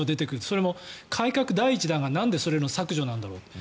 それも改革第１弾がなんでそれの削除なんだろう。